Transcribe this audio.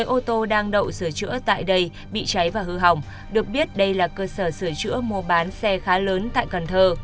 hai ô tô đang đậu sửa chữa tại đây bị cháy và hư hỏng được biết đây là cơ sở sửa chữa mua bán xe khá lớn tại cần thơ